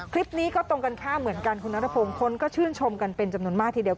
คลิปนี้ก็ตรงกันข้ามเหมือนกันคุณนัทพงศ์คนก็ชื่นชมกันเป็นจำนวนมากทีเดียว